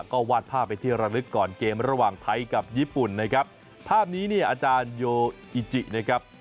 ก็วาดภาพไปที่ระลึกก่อนเกมระหว่างไทยกับญี่ปุ่นนะครับภาพนี้เนี่ยอาจารย์โยอิจินะครับ